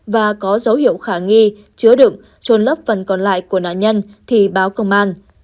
và có dấu hiệu khả nghi chứa đựng trôn lấp phần còn lại của nạn nhân thì báo công an